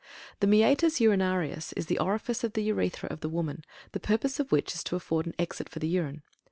THE MEATUS URINARIUS is the orifice of the urethra of the woman, the purpose of which is to afford an exit for the urine.